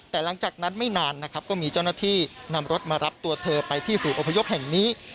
แต่หลังจากนั้นไม่นานนะครับก็มีเจ้าหน้าที่นำรถมารับตัวเธอไปที่ศูนย์อพยพแห่งนี้